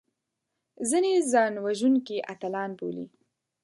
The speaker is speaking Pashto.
ځینې ځانوژونکي اتلان بولي